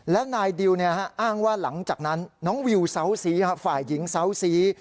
และนายดิวอ้างว่าหลังจากนั้นน้องวิวเซาซีฝ่ายหญิงเซาซี